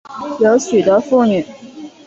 有许多妇女